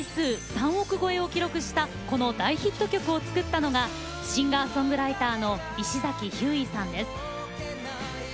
３億超えを記録したこの大ヒット曲を作ったのがシンガーソングライターの石崎ひゅーいさんです。